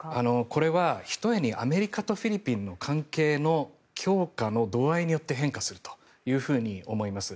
これはひとえにアメリカとフィリピンの関係の強化の度合いによって変化すると思います。